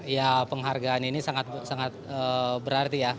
ya penghargaan ini sangat berarti ya